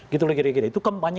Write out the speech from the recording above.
gitu loh kira kira itu kampanye